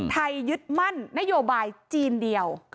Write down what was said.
ยึดมั่นนโยบายจีนเดียว